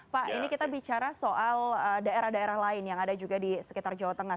pak ini kita bicara soal daerah daerah lain yang ada juga di sekitar jawa tengah